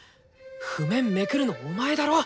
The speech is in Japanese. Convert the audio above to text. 譜面めくるのお前だろ！